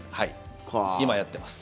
今やってます。